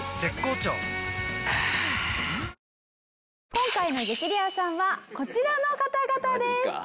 今回の激レアさんはこちらの方々です！